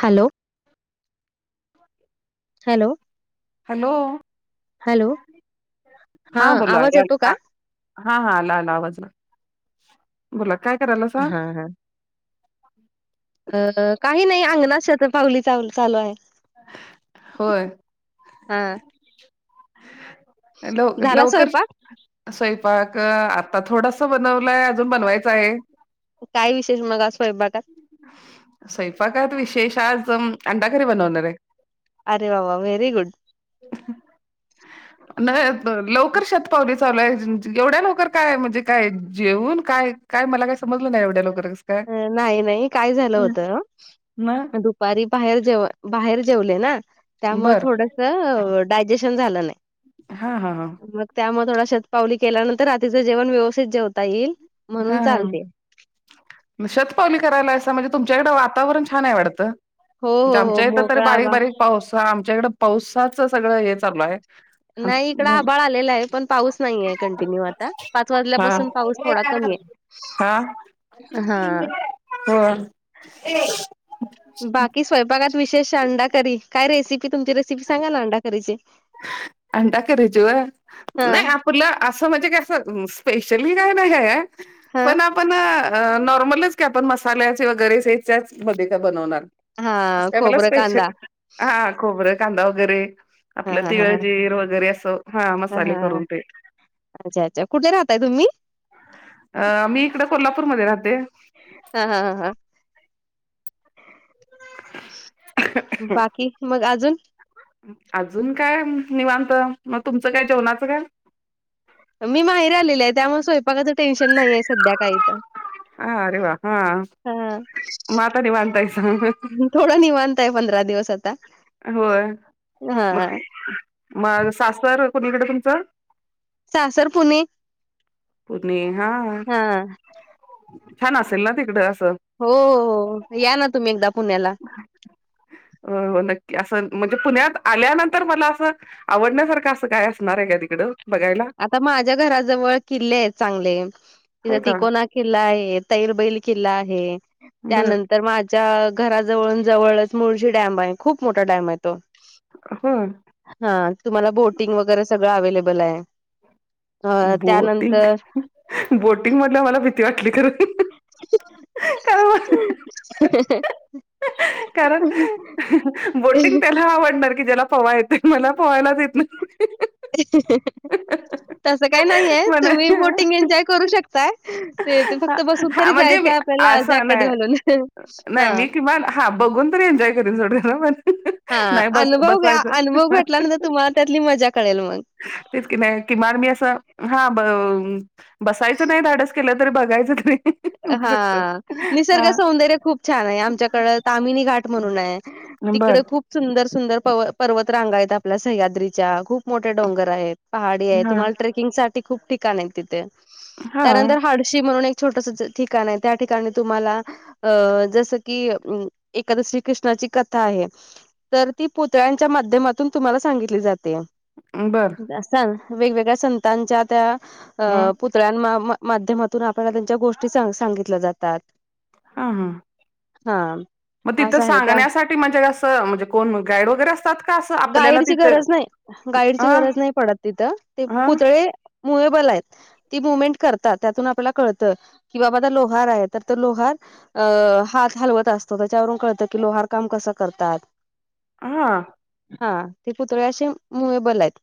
Hello! Hello hello hello! हा बोला आवाज या- येतो का? आ- हा हा आला आला आवाजला बोला काय करालसा. हा हा अ काही नाही अंगणात शतपावली चालू आहे. होय. हा लव झाला लवकर. स्वयंपाक? स्वयंपाक आता थोडास बनवलाय, अजून बनवायचं आहे. काय विशेष मग, आज स्वयंपाकात. स्वयंपाकात विशेष आज, अंडा करी बनवणार ये. अरे वा वा वेरीगुड. नव्हे लवकर शतपावली चालू आहे. एवढ्या लवकर काय म्हणजे काय जेवून काय. काय मला काय समजलं नाही. एवढ्या लवकर कसं काय. नाही नाही काय झालं हं. होतं. ना दु दुपारी बाहेर जेवल बाहेर जेवले ना, त्यामुळे बर थोडसं डायजेशन झालं नाही. हा हा हा. मग त्यामुळे थोडा शतपावली केल्यानंतर, रातीचं जेवण व्यवस्थित जेवता येईल. हा म्हणून चालते. हा शतपावली करायलासा म्हणजे, तुमच्याकडे वातावरण छान आहे वाढतं. हो म्हणजे हो हो आमच्या इथं तरी मोकळा बारीक आभाळ बारीक पाऊस. आमच्या इकडं पाऊसाच सगळं हे चालू हाय. नाही इकड आभाळ आलेला आहे. पण पाऊस नाहीये. कंटिन्यू आता पाच हा वाजल्यापासून पाऊस थोडा कमी आहे. हा हां. होय. बाकी स्वयंपाकात विशेष अंडाकरी. काय रेसिपी तुमची रेसिपी सांगा ना अंडाकरीची. अंडा करीची होय. नाही हां, आपलं असं म्हणजे काय असं स्पेशल ही काय नयी ये. हां. पण आपण. नॉर्मलच की आपण मसाल्याचे वगैरे हेच्या मध्येच बनवणार. अस हां, काय मला खोबरं, स्पेशल, कांदा. हा खोबरे कांदा वगैरे. हा हा हा हा. वगैर असं हा मसाले करून ते. अच्छा अच्छा कुठे राहताय तुम्ही. मी इकडं कोल्हापूर मध्ये राहते. हा हा हा हा. बाकी मग अजून. अजून काय निवांत मग, तुमचं काय जेवणाचं काय. मी माहेरी आलेली त्यामुळं स्वयंपाकाचं टेन्शन नाही आहे सध्या काय इथं. हा अरे वा हा मग आता निवांत हायसा. थोडं निवांत आहे. पंधरा दिवस आता. होय मग हां. मग सासर कोणीकडं तुमचं. सासर पुणे. पुणे हा हां. छान असेल ना तिकडं असं. हो या ना तुम्ही एकदा पुण्याला. नक्की असं म्हणजे, पुण्यात आल्यानंतर मला असं. आवडण्यासारखं असं काय असणार आहे. का तिकडं बघायला. आता माझ्या घराजवळ किल्ले आहेत. चांगले तिथ होय का तिकोणा. किल्ला आहे तैलबैल किल्ला आहे. बर त्यानंतर मा च्या घराजवळ जवळच मुळशी डॅम आहे. खूप मोठा डॅम आहे तो. होय. हा तुम्हाला बोटिंग वगैरे, सगळं अव्हेलेबल आय. बोटिंग बोटिंग म्हणल मला भिती वाटली खरं. कारण [unintelligible] कारण बोटिंग त्याला आवडणार की ज्याला. पवा येते मला पवायलाच येत ना. [unintelligible] तसं काही नाहीय म्हणा तुम्ही बोटिंग एन्जॉय करू शकताय ते फक्त बसून हा तरी म्हणजे मी जायचय आ पल्या असं जॅकेट नाही घालून नाही हा. मी किमान बघून तरी एन्जॉय करू [unintelligible] पण. हा नाही बस अनुभव घ्या बसायचं अनुभव घटल्यानंतर तुम्हाला त्यातली मजा कळेल मग. तेच की नाय किमान मी असं हा ब बसायचं नाही धाडस केलं तर बघायचं तरी. होऊ हा शकतंय हा निसर्ग सौंदर्य खूप छान आहे आमच्याकडे तामिनी घाट म्हणून आहे. तिकडे नंबर खूप सुंदर सुंदर प पर्वत रांगायेत आपल्या सह्याद्रीच्या खूप. मोठे डोंगर आहेत पहाडी आहे हा तुम्हाला ट्रेकिंग साठी खूप ठिकाण आहेत तिथे. हा त्यानंतर हाडशी म्हणून एक छोटसाच ठिकाण आहे त्या ठिकाणी तुम्हाला अ जसं की अम एकादशी श्रीकृष्णाची कथा आहे तर ती पुतळ्यांच्या माध्यमातून तुम्हाला सांगितली जाते. बरं. असतानं वेगवेगळ्या संतांन च्या त्या हं अ पुत त्र्यानं मा माध्यमातून आपल्याला त्यांच्या गोष्टी सांगितल्या जातात. हां हां. हाम म तिथं सांगण्यासाठी म्हणजे असं म्हणजे कोण गाईड वगैरे असतात. का असं आपल्याला गाईडची तिथं गरज नाही गाईडची हा गरज नाही पडत तिथं ते हा पुतळे मूवएबल आहेत. ती मुवमेंट करतात त्यातून आपल्याला कळतं की बाबा आता लोहार आहे तर तो लोहार अ हात हलवत असतो त्याच्यावरून कळतं की लोहार काम कसं करतात. हां. हा ते पुतळे अशे मुवेबल आहेत.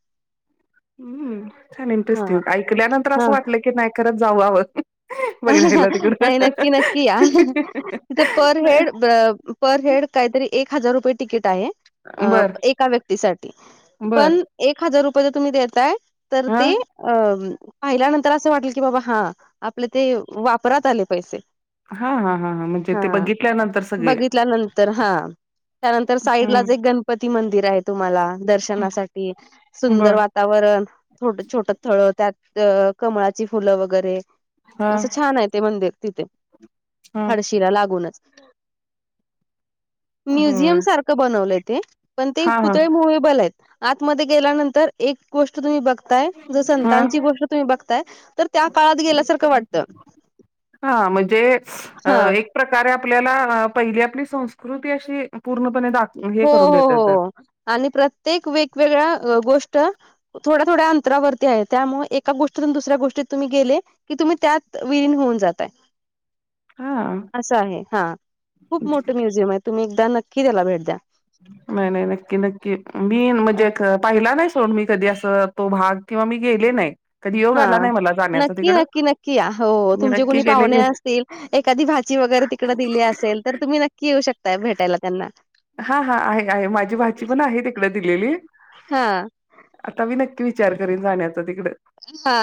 हम्म छान हा इंटरेस्टिंग ऐकल्यानंतर हा असं वाटलं की नाही खरच जाऊ वावं. नाही नक्की नक्की या तिथे पर नाही हेड ब पर हेड काहीतरी एक हजार रुपये तिकीट आहे अ बर एका व्यक्तीसाठी बर पण एक हजार रुपये जर तुम्ही देताय तर हा ते अम्म पाहिल्यानंतर असं वाटल की बाबा हा आ पले ते वापरात आले पैसे. हा हा म्हणजे हा ते बघितल्यानंतर सगळे बघितल्यानंतर हा त्यानंतर साईड लाच हम्म एक गण गणपतीमंदिर आहे तुम्हाला दर्शनासाठी सुंदर बर वा तावरण थोडं छोटं थळं त्यात कमळाची फुलं वगैरे हा असं छान आहे ते मंदिर ते तिथे हा हळशीला लागूनच. म्युझियम होय सारखं बनवलं ते पण ते हा हा पुतळे मुवेबल आहेत आतमध्ये गेल्यानंतर एक गोष्ट तुम्ही बघताय जर हा संतांची गोष्ट तुम्ही बघताय तर त्या काळात गेल्यासार हा म्हणजे अ हा एक प्रकारे आपल्याला पहिली आपली संस्कृती अशी पूर्णपणे दाखवु हे हो करून हो देतेत हो आणि प्रत्येक वेकवेगळ्या अ गोष्ट थोड्या थोड्या अंतरावरती आहे त्यामुळे एका गोष्टीतून दुसऱ्या गोष्टीत तुम्ही गेले की तुम्ही त्यात विरीन होऊन जातय हा असं आहे हा खूप मोठ म्युझियम आहे तुम्ही एकदा नक्की त्याला भेट द्या. नाही नाही नक्की नक्की मी म्हणजे पाहिला नाही. सोड मी कधी असं तो भाग किंवा गेले नाही. कधी योग आला हां. नाही मला. जाण्याचा नक्की तिकडं नक्की नक्कीया हो मी तुमचे नक्की कुणी गेले पाहुणे की असतील. एखादी भाची वगैरे तिकडं दिली असेल तर तुम्ही नक्की येऊ शकता भेटायला त्यांना. हा हा आहे आहे माझी भाची पण आहे तिकड दिलेली. हां, आता मी नक्की विचार करीन जाण्याच तिकड. हा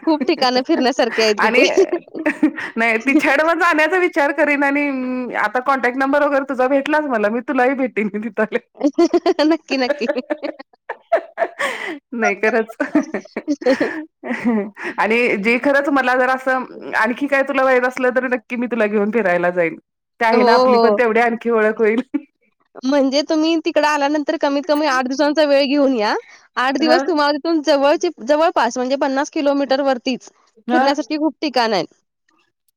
खूप ठिकाण फिरण्यासारखे आहे तिथे. पाछ्याड जाण्याचा विचार. विचार करीन आणि आता कॉन्टॅक्ट नंबर वगैरे तुझा भेटलाच मला मी तुलाही भेटीन दिले. नक्की नक्की. नाही खरच. आणि जे खरंच मला जर असं आणखी काय तुला मायच असलं तरी नक्की की मी तुला घेऊन फिरायला जाईन ते हो, आहे ना आपली पण हो. तेवढी आणखी ओळख होईल. म्हणजे तुम्ही तिकड आल्यानंतर कमीत कमी आठ दिवसांचा वेळ घेऊन या आठ हा दिवस तुम्हाला जवळ जवळपास म्हणजे पन्नास किलोमीटर वरतीच हा. फिरण्यासाठी खूप ठिकाणं आहेत.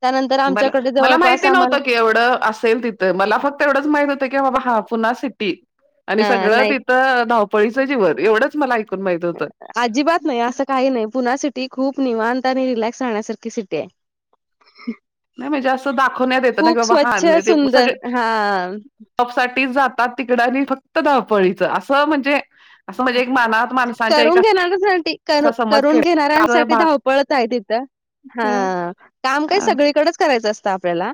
त्यानंतर बला आमच्याकडे मला जवळपास माहिती आम्हाला नव्हतं की एवढं असेल तिथ. तर मला फक्त एवढंच माहित होतं की बाबा हा पुन्हा अ, सगळं नाही. तिथं धावपळीचं जीवन एवढंच मला माहित होतं. अजिबात नाही असं काही नाही पुना सिटी खूप निवांत आणि रिलॅक्स राहण्यासारखी सिटी आहे. [unintelligible] नाही जास्त असं दाखवण्यात येत ना कि खूप बाबा हान स्वच्छ नाही ते सुंदर सगळे हा जॉब साठी जातात तिकड आणि फक्त धवपळीच असं म्हणजे असं म्हणजे मनात करून घेणाऱ्यांसाठी कर करून केला घेणाऱ्यांसाठी भाग धावपळत आहे तिथं. हा काम काही सगळीकडेच करायचं असतं आपल्याला.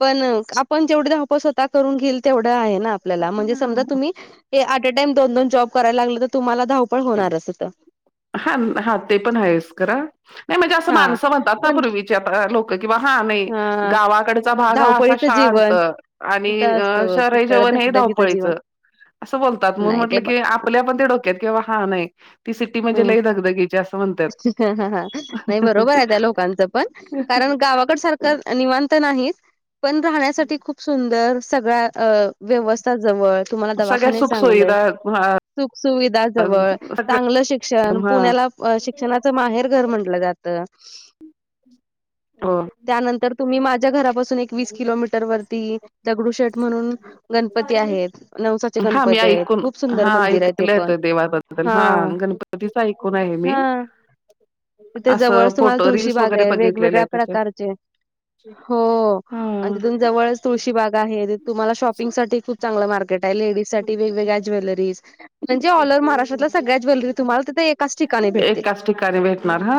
पण आपण जेवढं आप स्वतः करून घेईल तेवढं आहे ना आपल्याला म्हणजे समजा तुम्ही हे अरेटाइम दोन दोन जॉब करायला लागलं तर तुम्हालाधावपळ होणार असं. हा हा ते पण आहेस खर. नाही म्हणजे असं हा माणसं म्हणतात ना पण पूर्वीचे आता लोक किंवा हा नाही हा गावाकडच ताज भाग हा असा धावपळीचं शांत जीवन आणि तिथं अ असतो शहर इ तिकडं जीवन हे धगधगीचं धावपळीच. जीवन असं बोलतात म्हून नाही म्हट ते ब की आपल्या पण ते डक्यात किंवा हा नाही ती सिटी म्हणजे लई धगधगीची ‌. असं का हा हा नाही बरोबर आहे त्या लोकांचा पण कारण गावाकडं सारखं. तर अ निवांत नाही पण राहण्यासाठी खूप सुंदर सगळं अ व्यवस्था जवळ तुम्हाला सगळ्या दवाखाने सुख चांगले आहेत. सुुविधा हा सुख सुुविधा जवळ सगळ चांगलं शिक्षण हा पुण्याला अ शिक्षणाचं माहेर घर म्हंटलं जात. फोन. त्यानंतर तुम्ही माझ्या घरापासून एक वीस किलोमीटर वरती दगडू शेठ म्हणून गणपती आहेत नवसाचे हां, मी गणपती येत ऐकून खूप सुंदर हां, मंदिर आहे ते ऐकलं पण हा. कधीच ऐकून आहे मी मी. तिथे जवळच तुम्हाला तुळशी रील्स बाग वगैरे आहे बघितलेले वेगवेगळ्या आहे त्याचे. प्रकारचे. हो हां, तिथून जवळच तुम्हाला तुळशीबाग आहे तुम्हाला शॉपिंग साठी पण चांगलं मार्केट आहे म्हणजे लेडीज साठी वेगवेगळ्या ज्वेलरी म्हणजेच ऑल ओव्हर महाराष्ट्रातलं सगळ्या ज्वेलरी. तुम्हाला तर ते एकाच ठिकाणी भेटत. एकाच ठिकाणी का नाही भेटणार हा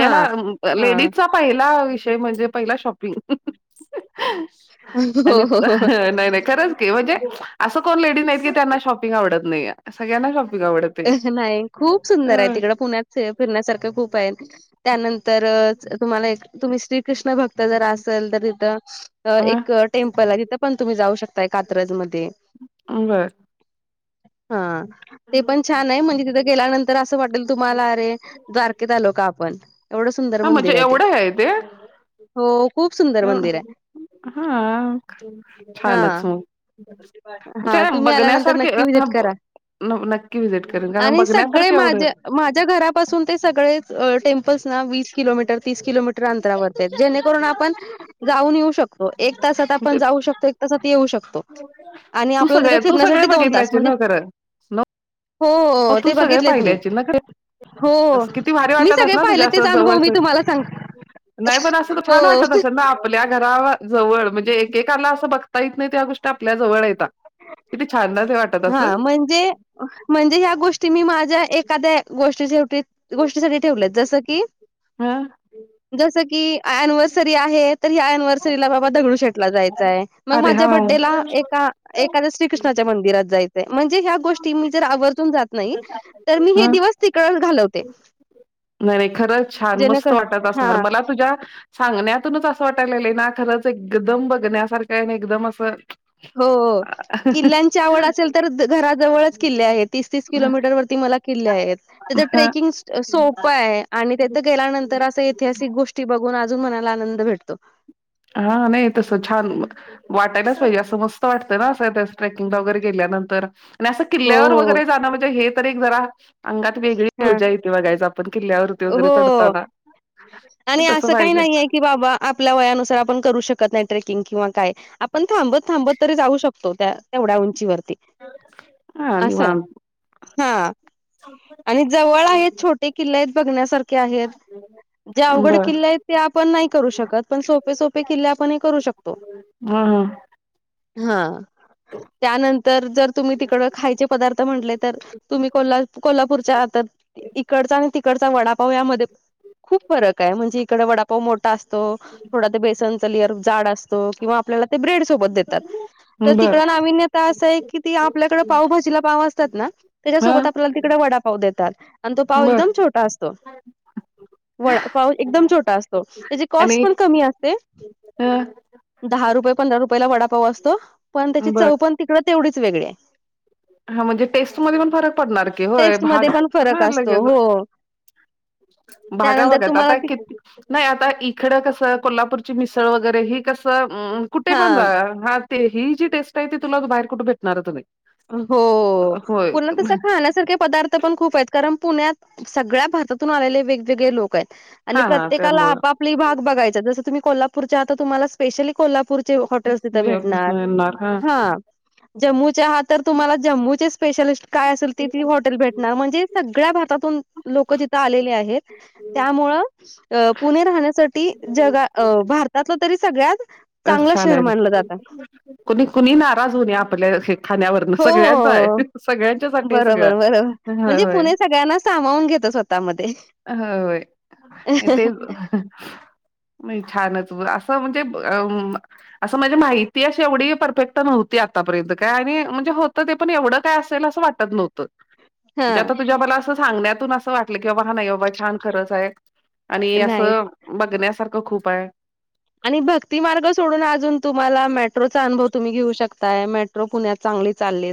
हा हा लेडीजचा. पहिला विषय म्हणजे, पहिला शॉपिंग. हो आणि हो हो. नाय नाय खरंच. ते म्हणजे असं कोण लेडीज नाहीत. की ज्यांना शॉपिंग आवडत नाहीये, सगळ्यांना शॉपिंग आवडते. नाही खूप अ, सुंदर आहे. तिकडं पुण्यात फिरण्यासारखं खूप आहे. त्यानंतर तुम्हाला एक, तुम्ही श्रीकृष्ण भक्त जर असलं तर तिथं. अ हां, एक टेम्पल आहे. तिथं पण तुम्ही जाऊ शकता कात्रज मध्ये. बर. हा ते पण छान आहे. म्हणजे तिथं गेल्यानंत तर असं वाटेल. तुम्हाला आरे द्वारकेत आलो का आपण. एवढं सुंदर हां, म्हणजे मंदिर ये ते, एवढं आहे हो खूप सुंदर मंदिरे ये ते. हा छानच मग. हा तर तुम्ही आल्यानंतर बघण्यासारखं नक्की ये. व्हिजिट करा नक्की व्हिजिट करेन, कारण आणि सगळे बघण्यासारख एवढं. माझे माझ्या घरापासून ते सगळेच. अ टेम्पलस ना वीस किलोमीटर तीस किलोमीटर अंतरावरती ये. जेणेकरून आपण, जाऊन येऊ शकतो. एक तासात आपण म्हणजे जाऊ शकतो एक तासात येऊ शकतो. तो आणि तू आपल्याला तिथे सगळे तू सगळे फिरण्यासाठी दोन तास. बघितल्याचे म्हणजे, न खरं हो मग हो तू ते सगळे बघितलेत मी पाहिलं असशील ना खरं. हो हो असं किती भारी मी वाटत सगळे असेल, ना पाहिले तुझ्या अस तेच अनुभव जवळच मी ये. तुम्हाला सांग नाही पण असंच तर छान हो वाटत असेल ना. आपल्या घराजवळ म्हणजे, एकेकाला असं बघता येत नाही, त्या गोष्टी आपल्या जवळ हायता. किती छान ना, ते वाटत हा असलं. म्हणजे ह म्हणजे या गोष्टी मी माझ्या एखाद्या गोष्टीची. तेच गोष्टीसाठी ठेवलंय. जसं की, ह. जसं की एनवसरी आहे, तर ह्या एनवर श्री ला बाबा दगडूशेठला जायचं आहे. मग अरे माझ्या हा बडेला एका एखाद्या श्रीकृष्णाच्या मंदिरात. जायाच ए या गोष्टी मी जर आवर्जून जात नाही. तर मी हे ह दिवस, तिकडच घालवते. नव्हे खरंच छान मस्त जेणेकर वाटत हा असणार, मला तुझ्या. सांगण्यातुनच असं वाटतंय लागलय ना, खरंच एकदम बघण्यासारखं एकदम असं. हो. किल्ल्यांची आवड असेल तर घराजवळच किल्ले आहेत. तीस तीस किलोमीटर वरती मला किल्ले आहेत. तिथं हा ट्रेकिंगस. सोप आहे. आणि तेथं गेल्यानंतर असं ऐतिहासिक गोष्टी अजून मनाला आनंद भेटतो. हा नाही तसं छान मग. वाटायलाच पाहिजे. असं मस्त वाटतं ना असं त्या ट्रेकिंगला वगैरे गेल्यानंतर. आणि असं हो किल्ल्यावर हो वगैरे जाणं म्हणजे, हे तर एक जरा अंगात वेगळी हा ऊर्जा येते बघायचं आपण किल्ल्यावर. डोंगर वगैरे हो चढताना तसं पाहिजे. कि बाबा आपल्या वयानुसार आपण करू शकत नाही. ट्रेकिंग किंवा काय आपण थांबत थांबत तरी जाऊ शक तो त्या तेवढ्या उंचीवरती. हा असंय निवांत हा, आणि जवळ आहे छोटे किल्ले. बघण्यासारखे आहेत. जे अवघड बर किल्ले आहेत ते आपण नाही करू शकत पण सोप पण सोपे किल्ले आपण हे करू शकतो हा हा. त्यानंतर जर तुम्ही तिकड खायचे पदार्थ म्हटले तर. तुम्ही कोल्हा कोल्हापूरच्या आता इकडचा आणि ती कडचा वडापाव यामध्ये खूप फरक आहे म्हणजे इकडे वडापाव मोठा अस तो थोडा ते बेसन लेयर जाड असतो किंवा आपल्याला ते ब्रेड सोबत देतात तर हा बर तिकडं अविन्यता असं आहे की ती आपल्याकडे पावभजीला पाव असतात ना हा त्याज्यासोबत आपल्याला तिकडे वडापाव देतात आणि तो पाव बर एकदम छो टा असतो वडा पाव एकदम छोटा असतो. त्याची कॉस्ट आणि पण कमी असते ह दहा रुपये पंधरा रुपये ला वडापाव असतो. पण त्याची बर चव पण तिकडं तेवढीच वेगळी आहे. हा म्हणजे टेस्ट मध्ये पण फरक पडणार की होय टेस्ट मध्ये भाग पण फरक हा असतो लगेच हो भागा त्यानंतर वागत तुम्हाला आता ती कि नाही आता इकडं कसं कोल्हापूरची मिसळ वगैरे ही कसं उ कुठे हा पण जाया हा ते ही जी टेस्ट आहे ती तुला बाहेर कुठे भेटणारत नाही. हो होय पूणा तसं खाण्यासारखे पदार्थ पण खूप आहेत. कारण पुण्यात सगळ्या भारतातून आलेले वेगवेगळे लोकं आहेत आणि हा हा प्रत्येकाला त्यामुळं आपाआप आपली ही भाग बघयचा जसं तुम्ही कोल्हापूरच्या आता तुम्हाला स्पेशली कोल्हा पूरचे हॉटेल तिथं मी भेटणार येणार हा जम्मूचे आहात तर तुम्हाला जम्मूचे स्पेशलिस्ट काय असेल ती ती हॉटेल भेटणार म्हणजे सगळ्या भारतातून लोकं तिथं आलेले आहेत त्यामुळं अ पुणे राहण्यासाठी जगा अ भारतातलं तरी सगळ्यात चांगलं छान शहर आहे मानलं जातं. कुणी कुणी नाराज होऊन ही आपल्या हे हो हो आहे सगळं बरोबर बरोबर म्हणजे होय पुणे सगळ्यांना सामावून घेत स्व तामध्ये अ होय हे तेच मीय छानच व असं म्हणजे अम असं म्हणजे माहित ती अशी एवढी परफेक्ट नव्हती आतापर्यंत काय आणि म्हणजे होतं ते पण एवढं काय असेल असं वाटत नव्हतं. म्हणजे हां. आता तुझ्या बला असं सांगण्यातून असं वाटलं की बाबा हा नाही बाबा छान खरंच आहे. आणि नाही असं बघण्यासारखं खूप आहे. आणि भक्ती मार्ग सोडून अजून तुम्हाला मेट्रोचा अनुभव तुम्ही घेऊ शकताय मेट्रो पुण्यात चांगली चाललीत.